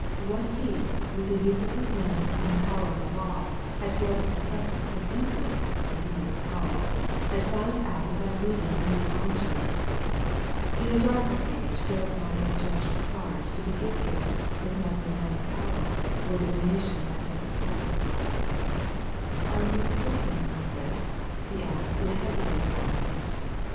What he, with the use of his limbs, and the power of the law, had failed to discover, this invalid — as he might be called — ^had found out without moving from his armchair. In a darker age Gebb might have judged Parge to be gifted with necromantic power, or divination by second sight " Are you certain of this ?" he asked in a hesitating voice.